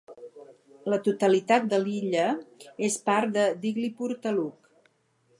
La totalitat de l'illa és part de Diglipur Taluk.